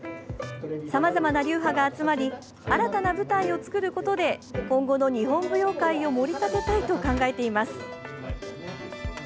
さまざまな流派が集まり新たな舞台を作ることで今後の日本舞踊界を盛り立てたいと考えています。